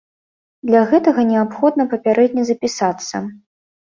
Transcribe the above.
Для гэтага неабходна папярэдне запісацца.